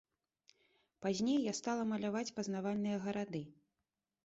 Пазней я стала маляваць пазнавальныя гарады.